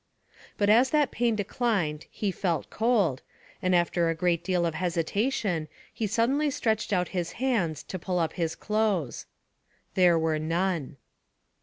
But as that pain declined he felt cold, and after a great deal of hesitation he suddenly stretched out his hands to pull up the clothes. There were none.